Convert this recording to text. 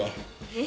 え？